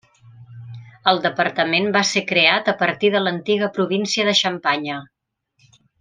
El departament va ser creat a partir de l'antiga província de Xampanya.